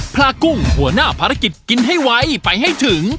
ลากุ้งหัวหน้าภารกิจกินให้ไวไปให้ถึง